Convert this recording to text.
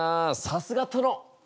さすがトノ！